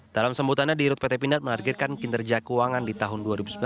dalam sebutannya di rut pt pindad menargetkan kinerja keuangan di tahun dua ribu sembilan belas